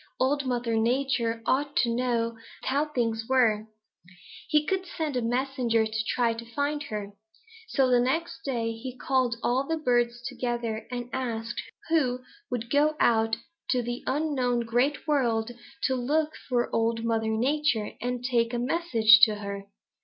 Old Mother Nature ought to know how things were. He would send a messenger to try to find her. So the next day he called all the birds together and asked who would go out into the unknown Great World to look for Old Mother Nature and take a message to her.